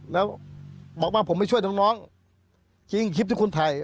แล้วบอกว่าผมไม่ช่วยน้องจริงคลิปที่คุณถ่าย